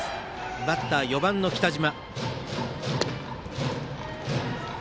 バッターは４番、北島。